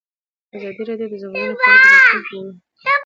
ازادي راډیو د د ځنګلونو پرېکول د راتلونکې په اړه وړاندوینې کړې.